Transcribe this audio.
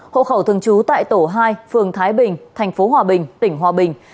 hộ khẩu thường trú tại tổ hai phường thái bình thành phố hòa bình tỉnh hòa bình